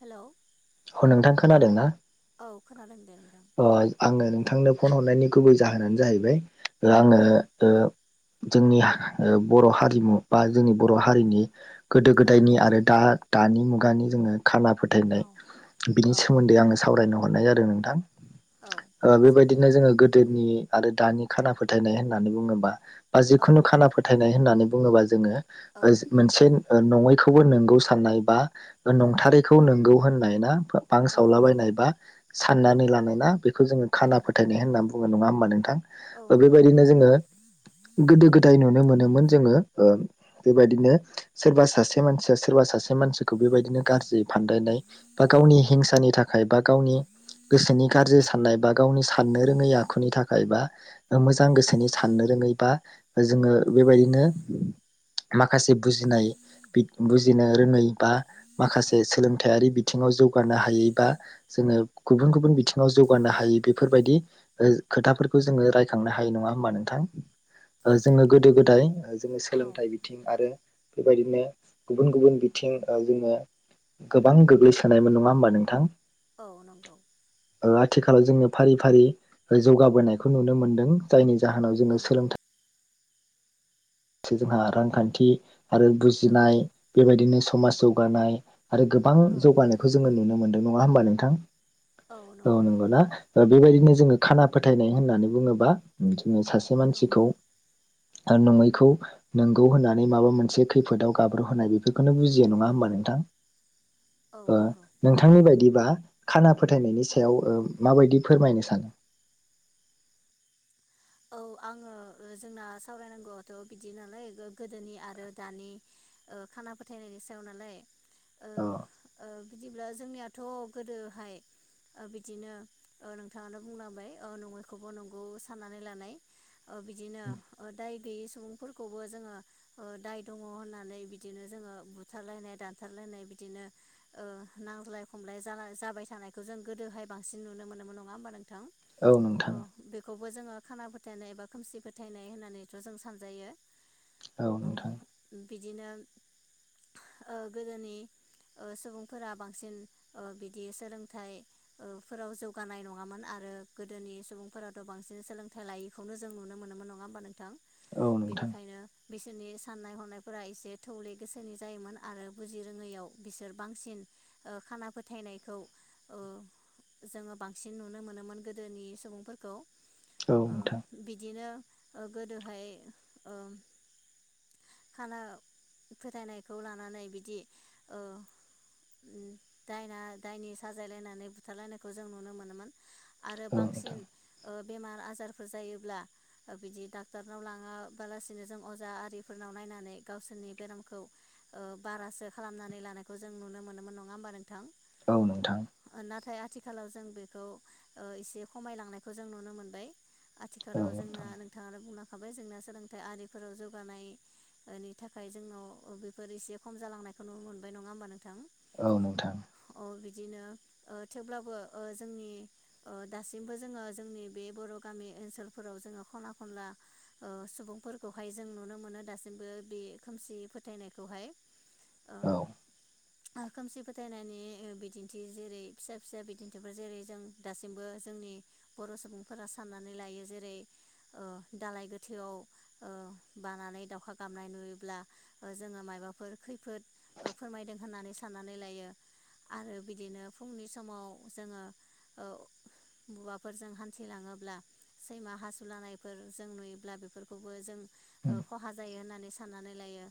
हेल'। औ नोंथां खोनादों ना? औ खोनादों दे नोंथां। थांनो फन हरनायनि गुबै जाहोनानो जाहैबाय आङो औ ओ जोंनि हा बर' हारिमु बा जोंनि बर' हारिनि गोदो औ गोदायनि आरो दा दानि मुगानि जोङो खाना फोथाय औ बिनि औ सोमोन्दै आङो सावरायनो हरनाय जादों नोंथां। औ ओ बेबायदिनो सावरायजागोन जोङो दे गोदोनि आरो दानि खाना फोथायनाय होननानै बुङोबा बा औ जिखुनु खाना फोथायनाय होननानै बुङोबा जोङो ओ जो औ मोनसेन नङैखौबो नंगौ साननाय बा औ नंथारैखौ नोंगौ होननाय ना औ नंगौ बांसावलाबायनाय बा औ साननानै लानाय ना बेखौ जोङो औ खाना फोथायनाय होननानै बु नङा होनबा नोंथां औ नंगौ बेबायदिनो जोङो गोदो गोदाय नुनो मो नोमोन जोङो बेबायदिनो सोरबा सासे मानसिया सोरबा सासे मानसिखौ बेबायदिनो गाज्रि फानदायनाय बा गावनि हिंसानि थाखाय बा गावनि गोसोनि गाज्रि साननाय बा गावनि साननो रोङै आखुनि थाखाय बा मोजां गोसोनि साननो रोङै बा जोङो बेबायदिनो माखासे बुजिनाय बुजिनो रोङै बा माखासे सोलोंथायारि बि थिङाव जौगानो हायि बा जोङो गुबुन गुबुन बिथिङाव जौगानो हयि बेफोरबायदि खोथाफोरखौ जोङो रायखांनो हायो नङा होनबा नोंथां जोङो गोदो गोदाय औ सोलोंथाइ बिथिं आरो बेबायदिनो गुबुन गुबुन बिथिं ओ जोङो गोबां गोग्लैसो थानायमोन नङा होमबा नोंथां औ नंगौ। थिखालाव जोङो फारि फारि जौगाबोनायखौ नुनो मोनदों जायनि जाहोनाव औ जोङो सोलोंथाइ से जोंहा रांखान्थि आरो औ बुजिनाय बेबायदिनो समाज जौगानाय आरो गोबां औ जौगानायखौ जोङो नुनो मोनदों नङा होमबा नोंथां औ नंगौना ओ बेबायदिनो जो जोङो खाना फोथायनाय होननानै बुङोबा बिदिनो सासे से औ मानसिखौ आरो नङैखौ नोंगौ होननानै माबा मोनसे खैफोदाव गाब्र' होनाय बेफोरखौनो बुजियो नङा होमबा नोंथां औ ओ नंगौ नोंथांनि बायदिबा खाना फोथायनायनि ओ औ सायाव माबायदि फोरमायनो सानो औ आङो जोंना सावरायनांगौआथ' बिदि नालाय गोदोनि आरो दानि खाना फोथायनायनि सायाव नालाय ओ अ ओ बिदिब्ला जोंनियाथ' गोदोहाय बिदिनो नोंथाङानो बुंलांबाय नङैखौबो नंगौ साननानै नै लानाय ओ बिदिनो ओ दाय गैयै सुबुंफोरखौबो जोङो दाय दङ होननानै बिदिनो जोङो बुथारलायनाय दानथारलायनाय बिदिनो ओ, नांज्लाय खमलाय जाबाय थानायखौ जों गोदोहाय बांसिन नुनो मोनोमोन नङा होमबा नों नोंथां औ, बेखौ बो जोङो खाना फोथायनाय एबा खोमसि फोथायनाय होननानैथ' जों सानजायो औ नोंथां औ बिदिनो ओ, गोदोनि ओ, सुबुंफोरा बांसिन ओ, बिदि सोलोंथाइ ओ, फोराव जौगानाय नङामोन आरो गोदोनि सुबुंफोराथ' बांसिन सोलों [inaudible] नुनो मोनोमोन नङा होमबा नोंथां? औ नोंथां बेनिखायनो बिसोरनि साननाय हनायफोरा एसे थौले गोसोनि जायोमोन आरो बुजि रोङैयाव बिसोर बांसिन खाना फोथायनायखौ ओ जोङो बांसिन नुनो मोनोमोन गोदोनि सुबुंफोरखौ औ ओ नोंथां बिदिनो गोदोहाय ओ खाना फोथायनायखौ लानानै बिदि ओ दायना दायनि साजायलायनानै बुथारलायनायखौ जों नुनो मोनोमोन आरो औ नोंथां बांसिन ओ बेमार आजार फोरफोर जायोब्ला बिदि डाक्टरनाव लाङाबालासिनो जों अजा आरिफोरनाव नायनानै गावसोरनि बेरामखौ बारासो ओ खालामनानै लानायखौ जों नुनो मोनोमोन नङा होमबा नों नोंथां औ नोंथां नाथाय आथिखालाव जोंबो खौ एसे खमायलांनायखौ जों नुनो मोनबाय आथिखालाव जोंना नोंथाङानो बुंलांखाबाय जोंना सोलोंथाइ आरिफोराव जौगानायनि थाखाय जोंनाव बेफोर एसे खम जालांनायखौ नुनो मोनबाय नङा होमबा नोंथां? औ नोंथां अ बिदिनो ओ थेवब्लाबो जोंनि ओ दासिमबो जोङो जोंनि बे बर' गामि ओनसोलफोराव जोङो खना खनला सुबुंफोरखौहाय जों नुनो मोनो दासिमबो बे खोमसि फोथायनायखौहाय औ ओ खोमसि फोथायनायनि बिदिन्थि जेरै फिसा फिसा बिदिन्थिफोर जेरै जों दासिमबो जोंनि बर' सुबुंफोरा साननानै नानै लायो जेरै ओ दालाय गोथैआव ओ बानानै दाउखा गामनाय नुयोब्ला जोङो मायबाफोर खैफोद फोरमायदों होननानै साननानै लायो आरो बिदिनो फुंनि समाव जोङो ओ हवाफोरजों हान्थिलाङोब्ला सैमा हासुलानायफोर जों नुयोब्ला बेफोरखौबो जों खहा जायो होननानै साननानै लायो।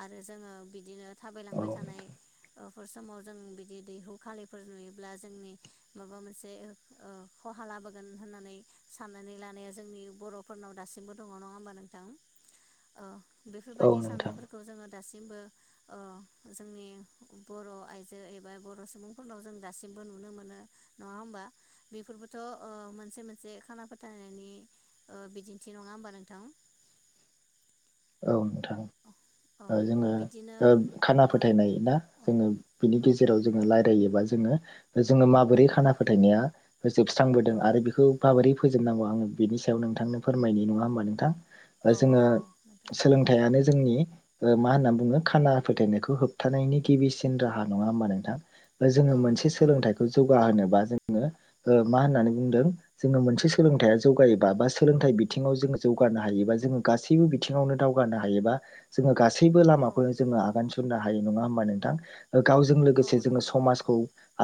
आरो जोङो बिदिनो औ थाबायलांबाय थानाय बेफोर समाव जों बिदि दैहु खालिफोर नुयोब्ला जोंनि माबा मोनसे ओ खहा लाबोगोन होननानै साननानै लानाया जोंनि बर'फोरनाव दासिमबो दङ नङा होमबा नोंथां? औ बेफोरबायदि नोंथां साननायफोरखौ जोङो दासिम दासिमबो ओ जोंनि बर' आइजो एबा बर' सुबुंफोरनाव जों दासिमबो नुनो मोनो नङा होमबा बेफोरबोथ' ओ मोनसे मोनसे खाना फोथायनायनि बिदिन्थि नङा होमबा नोंथां? औ नोंथां औ औ जोङो बिदिनो खाना ओ फोथायनाय ना औ जोङो बिनि औ गेजेराव जोङो रायलायोबा जोङो जोङो माबोरै खाना फोथायनाया फोजोबस्रांबोदों औ आरो बेखौ माबोरै फोजोबनांगौ आङो बेनि सायाव नोंथांनो फोरमायनि नङा होमबा नोंथां औ जोङो औ सोलोंथाइयानो जोंनि ओ- मा होनना बुङो खाना फोथायनायखौ होबथानायनि गिबिसिन राहा नङा होमबा नोंथां? जोङो औ मोनसे नंगौ सोलोंथाइखौ जौ गा होनोबा जोङो ओ- मा होननानै बुंदों जोङो मोनसे सोलोंथाइया जौगायोबा बा सोलोंथाइ बिथिङाव जोङो जौगानो हायोबा जोङो गासैबो बिथ थिङावनो दावगानो हायोबा जोङो गासै सैबो औ लामाखौ जोङो आगान सु सुननो हायो नङा होमबा नोंथां? ओ-गावजों औ लोगोसे जोङो नंगौ समाजखौ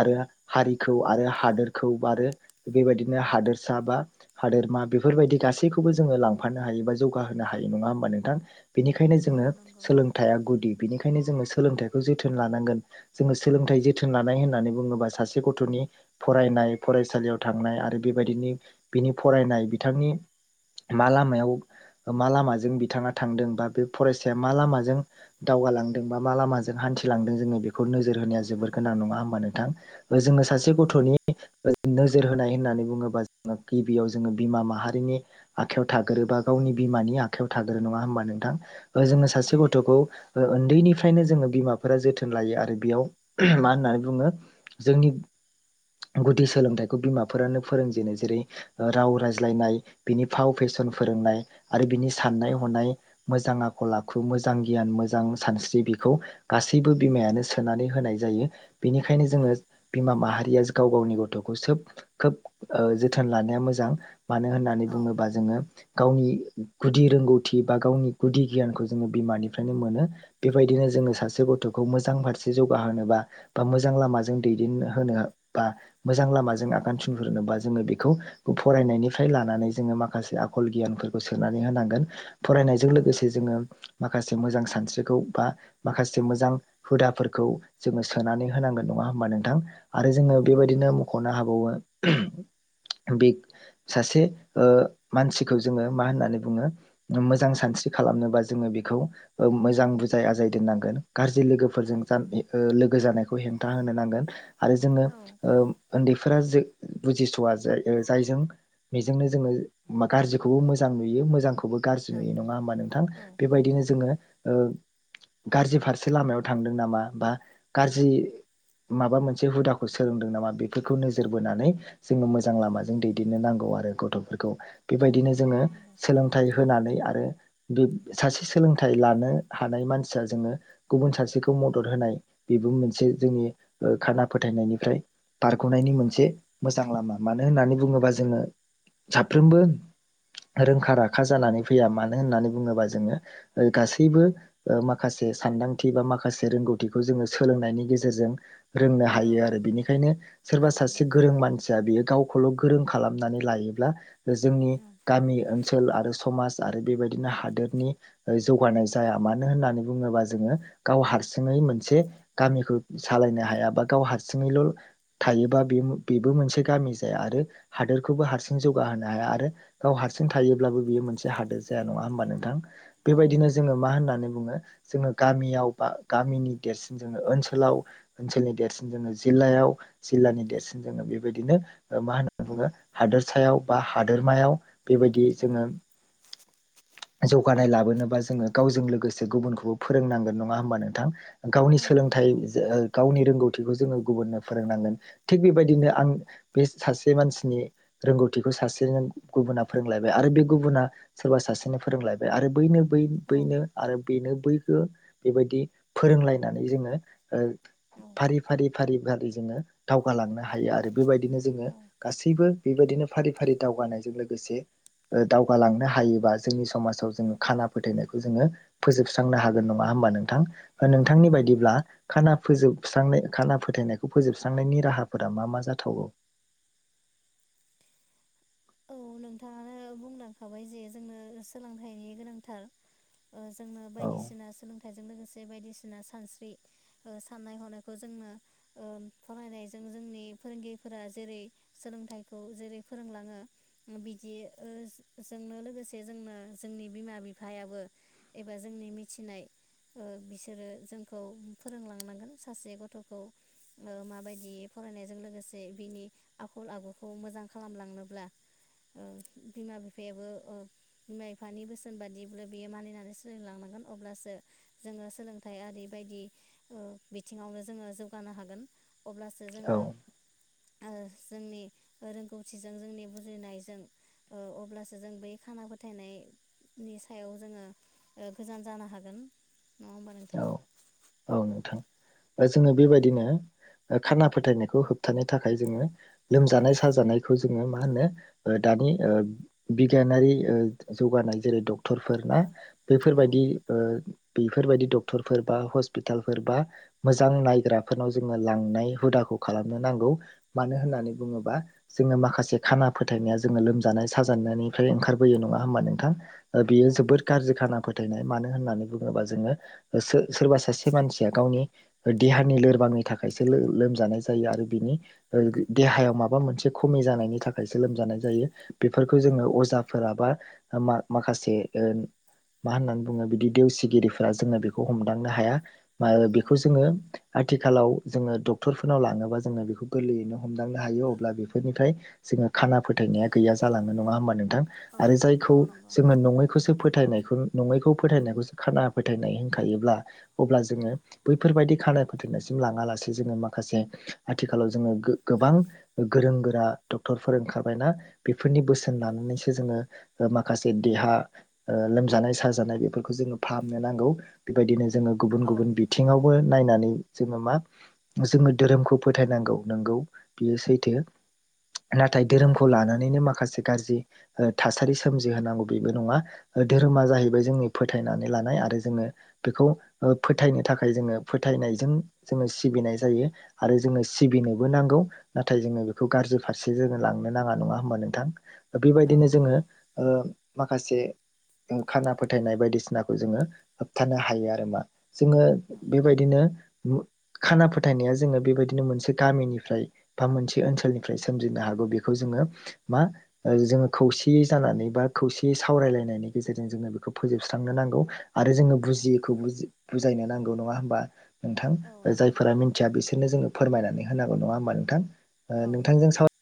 आरो हारिखौ आरो हादोरखौ आरो बेबायदिनो हादोरसा बा हादोरमा बेफोरबायदि गासैखौबो जोङो लांफानो हायो बा जौगाहोनो हाय यो नङा होमबा नोंथां? बेनिखायनो औ जोंङो नंगौ सोलोंथाइया गुदि। बिनिखायनो जोङो सोलोंथाइखौ जोथोन लानांगोन जोङो सोलोंथाइ जोथोन लानाय होननानै बुङोबा सासे गथ'नि फरायनाय फरायसालियाव थांनाय आरो बेबायदिनि बिनि फरायनाय बिथांनि मा लामायाव ओम मा लामाजों बिथाङा थांदों बा बे फरायसाया मा औ लामाजों दावगालांदों बा मा लामाजों औ हान्थिलांदों जोङो बेखौ खौ नोजोर होनाया औ जोबोर गोनां नङा होमबा नों थां ओ-जोङो औ सासे नंगौ गथ'नि ओ- नोजोर होनाय होननानै बुङोबा जोंङो गिबियाव जोङो बिमा माहारिनि आखाइयाव। थाग्रोबा औ गावनि बिमानि आखाइयाव थाग्रो नङा होमबा नोंथां? औ ओ-जोङो सासे नंगौ गथ'खौ ओ-ओन्दैनिफ फायनो जोङो बिमाफोरा जोथोन लायो आरो बेयाव मा होननानै बुङो जोंनि गुदि सोलोंथाइखौ बिमाफोरानो फोरोंजेनो जेरै राव रायज्लायनाय बिनि फाव फेसन फोरोंनाय। आरो बिनि साननाय औ हनाय मोजां आख खल आखु मोजां गियान मोजां सानस्रि बिखौ गासैबो बिमायानो सोनानै होनाय जायो। बिनिखायनो जोङो औ बिमा माहारि दिएस गाव गावनि गथ'खौ सोब खोब ओ- जोथोन लानाया मोजां। मानो होननानै बुङोबा जोङो। गावनि गुदि रोंगौथि बा गावनि गुदि गियानखौ जोङो बिमानिफ्रायनो मोनो। बेबायदिनो जोङो औ सासे गथ'ख खौ मोजां फारसे जौगाहोबा बा मोजां लामाजों दैदेन होनो बा मोजां लामाजों औ आगान सुरहोरनोबा जोङो बेखौ फरायनायनिफ्राय लानानै जोङो माखासे आखल गियानफोर खौ सोननानै होनांगोन। फरायनायजों औ लोगोसे जोङो माखासे मोजां सानस्रिखौ बा माखासे औ मोजां हुदाफोर खौ जोङो सोनानै होनांगोन नङा होमबा नोंथां? आरो औ जोङो नंगौ बेबायदिनो मख'नो हाबावो बे सासे ओ मानसिखौ जोङो मा होननानै बुङो मोजां सानस्रि खालामनोबा जोङो बेखौ ओ मोजां बुजाय-आजाय दोननांगोन। गाज्रि औ लोगोफोरजों जा ओ लोगो जानायखौ हेंथा होनो नांगोन। आरो जोङो औ ओ उन्दै फोरा जे बुजिस'या जाय ओ जायजों बेजोंनो जोङो गाज्रिखौबो मो मोजां नुयो, मोजां खौबो गाज्रि औ नुयो नङा होमा नोंथां औ बेबायदिनो नंगौ जोङो ओ गाज्रि फारसे लामायाव थांदों नामा बा गाज्रि माबा मोनसे हुदाखौ सोलोंदों नामा बेफोरखौ नोजोर बोनानै जोङो मोजां औ लामाजों दैदेननो नांगौ आरो गथ'फोरखौ। औ बेबायदिनो जोङो नंगौ सोलोंथाइ होनानै आरो बे सासे सोलोंथाइ लानो हानाय मानसिया जोङो गुबुन सासेखौ मदद होनाय बेबो मोनसे जोंनि ओ खाना फोथायनायनिफ्राय बारग'नायनि औ मोनसे मो जां लामा मानो होननानै बुङोबा जोङो साफ्रोमबो रोंखा-राखा जानानै फैया मानो होननानै बुङोबा जोङो ओ गासैबो माखासे सानदांथि बा माखासे रोंगौथिखौ जोङो सोलोंनायनि गेजेरजों रोंनो हायो आरो बिनिखायनो औ सोरबा सासे नंगौ गोरों मानसिया बेयो गाव खौल' गोरों खालामनानै लायोब्ला जोंनि औ गामि ओनसोल आरो समाज आरो बेबायदिनो हादोरनि ओ जौगानाय जाया मानो होननानै बुङोबा जोङो गाव हारसिङै मोनसे गामिखौ सालायनो हाया बा गाव हारसिङैल' थायोबा बे बेबो मोनसे गामि जाया आरो हादोरखौबो हारसिं जौगाहोनो हाया आरो गाव हार सिं थायोब्लाबो बियो मोनसे हादोर जाया नङा होमबा नोंथा? औ बेबायदिनो जोङो नंगौ मा होननानै बुङो जोङो गामियाव बा गामिनि देरसिन जोङो ओनसोलाव ओनसोलनि देरसिन जोङो जिल्लायाव जिल्लानि देरसिन जोङो बेबायदिनो ओ मा होनना औ बुङो हादोर सायाव बा हादोरमायाव बेबायदि जोङो औ जौगानाय लाबोनोबा जोङो गावजों लोगोसे गुबुनखौबो फोरोंनांगोन। नङा होमबा नोंथां? गावनि औ सोलोंथाइ नंगौ जे ओ गावनि रोंगौथिखौ जोङो गुबुननो फोरोंनांगोन। थिग बेबायदिनो आं बे सासे मानसिनि रोंगौथिखौ सासे गुबुना फोरोंलायबाय आरो बे गुबुना सोरबा सासेनो फोरोंलायबाय आरो बैनो बै औ बैनो आरो बेनो बै नो बेबायदि फोरोंलायनानै जोङो ओ फारि फारि फारि फारि जोङो दावगालांनो हायो आरो। बेबायदिनो जोङो औ गासैबो बेबायदिनो फारि फारि दावगानायजों लोगोसे ओ दावगालांनो हायोबा जोंनि समाजाव जोङो खाना फोथायनायखौ जोङो फोजोबस्रांनो हागोन। नङा होमबा नोंथां? ओ औ नोंथांनि नंगौ बायदिब्ला खाना फोजोबस्रांनाय खाना फोथायनायखौ फोजोबस्रांनायनि राहाफोरा मा मा जाथावगौ? औ नोंथाङानो बुंलांखाबाय जे जोंनो सोलोंथाइनि गोनांथार। ओ जोंनो औ बायदिसिना सोलोंथाइजों लोगोसे जे बायदिसिना सानस्रि ओ साननाय हनायखौ जोंनो ओ फरायनायजों जोंनि फोरोंगिरिफोरा जेरै सोलोंथाइखौ जेरै फोरोंलाङो बिदि ओ जोंनो लोगोसे जोंनो जोंनि बिमा बिफायाबो एबा जोंनि मिथिनाय ओ बिसोरो जोंखौ फोरोंलांनांगोन सासे गथ'खौ ओ माबायदि फरायनायजों लोगोसे बिनि आखल आखुखौ मोजां खालामलांनोब्ला ओ बिमा बिफायाबो ओ बिमा बिफानि बोसोन बादिब्ला बियो मानिनानै सोलों लांनांगोन अब्लासो जोङो सोलोंथाइ आरि बायदि ओ बिथिङावनो जोङो जौगानो हागोन। अब्लासो औ जोङो ओ जोंनि रोंगौथिजों जोंनि बुजिनायजों ओ अब्लासो जों बै खाना फोथायनाय नि सायाव जोङो ओ गोजान जानो हागोन। नङा होमबा औ नोंथां औ नोंथां। ओ जोङो बेबायदिनो ओ खाना फोथायनायखौ होबथानो थाखाय जोङो औ लोमजानाय साजानायखौ जोङो मा होनो ओ दानि ओ बिगियानारि ओ जौगानाय जेरै डक्टरफोर ना औ औ बेफोरबायदि ओ बेफोरबायदि डक्टरफोर बा हस्पिटालफोर बा मोजां नायग्राफोरनाव जोङो लांनाय हुदाखौ खालामनो नांगौ मानो औ होननानै बुङोबा जोङो माखासे खाना फोथायनाया जोङो लोमजानाय साजानायनिफ्राय ओंखारबोयो नङा होमबा नोंथां बेयो जोबोद औ गाज्रि खाना फोथ फोथायनाय मानो होननानै बुङोबा जोङो ओ सो-सोरबा सासे मानसिया गावनि देहानि लोरबांनि थाखायसो लो-लोमजानाय जायो आरो बिनि ओ देहायाव माबा मोनसे खमि जानायनि थाखायसो लोमजानाय जायो। बेफोरखौ जोङो अजाफोराबा मा-माखासे ओ मा होननानै बुङो बिदि देवसिगिरिफोरा जोंनो बे खौ हमदांनो हाया मा बिखौ औ जोङो आथिखालाव जोङो डक्टरफोरनाव लाङोबा जोङो बेखौ गोरलैयैनो हमदांनो हायो अब्ला बेफोरनिफ्राय जोङो खाना फोथायनाया गैया जालाङो नङा होमबा नों थां औ आरो औ जायखौ नंगौ जोङो नङैखौसो फो फोथायनायखौ नङैखौ फोथायनायखौसो खाना फोथायनाय खायोब्ला अब्ला जोङो बैफोर बायदि खानाय फोथेरनायसिम लाङालासे जोङो माखासे आथिखालाव जोङो गो-गोबां गोरों गोरा डक्टरफोर ओंखारबायना बेफोरनि बोसोन औ लानानैसो जोङो ओ माखासे देहा ओ लोमजानाय साजानाय बेफोरखौ जोङो फाहामनो नांगौ। बेबायदिनो जोङो गुबुन औ गुबुन बिथिङावबो नायनानै नै जोङो मा जोङो धोरोमखौ फोथायनांगौ नोंगौ बियो सैथो। नाथाय धोरोमखौ लानानैनो माखासे गाज्रि ओ थासारि सोमजिहांगौ बेबो नङा ओ धोरोमा जाहैबाय जोंनि फोथायनानै लानाय आरो जोङो बेखौ फोथायनो थाखाय जोङो फोथायनायजों जोङो सिबिनाय जायो आरो जोङो सिबिनोबो नांगौ नाथाय जोङो बेखौ गारजि फारसे जोङो लांनो नाङा नङा होमबा नोंथां औ बेबायदिनो जोङो नंगौ ओ माखासे खाना फोथायनाय बायदिसिनाखौ जोङो खिथानो हायो आरो मा जोङो औ बेबायदिनो खाना फोथायनाया जोङो बेबायदिनो मोनसे गामिनिफ्राय बा मोनसे ओनसोलनिफ्राय सोमजिनो हागौ बेखौ जोङो मा जोङो खौसेयै जानानै बा खौसेयै सावरायलायनायनि गेजेरजों जोङो बेखौ फोजोबस्रांनो नांगौ आरो जोङो औ बुजियिखौ बुजि-बुजायनो नांगौ नङा होमबा? नोंथां औ नंगौ जायफोरा मिथिया बिसोरनो जोङो फोरमायनानै होनांगौ नङा होमबा नोंथां? ओ औ नंगौ नोंथांजों साव